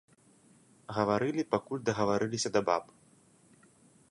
Гаварылі, пакуль дагаварыліся да баб.